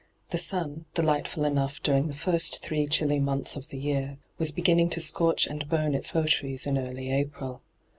The sun, deligfatfiil enough during the first three chilly months of the year, was beginning to scorch and bum its votaries in early April.